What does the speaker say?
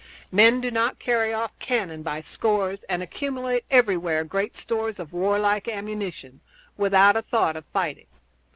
Men do not carry off cannon by scores, and accumulate everywhere great stores of warlike ammunition, without a thought of fighting.